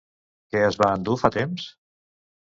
Què es va endur fa temps?